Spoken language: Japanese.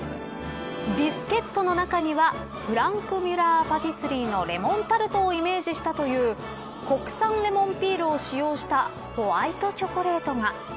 ビスケットの中にはフランクミュラーパティスリーのレモンタルトをイメージしたという国産レモンピールを使用したホワイトチョコレートが。